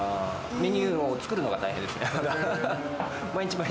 メニューを作るのが大変ですね。